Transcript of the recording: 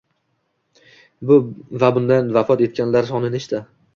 Va bundan vafot etganlar soni nechta?